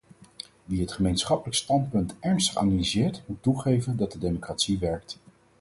Wie het gemeenschappelijk standpunt ernstig analyseert moet toegeven dat de democratie werkt.